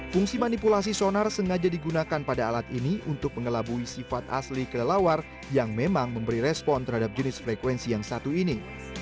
fungsi manipulasi sonar sengaja digunakan pada alat ini untuk mengelabui sifat asli kelelawar yang memang memberi respon terhadap jenis frekuensi yang satu ini